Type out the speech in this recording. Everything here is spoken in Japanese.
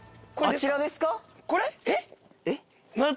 あちらですか？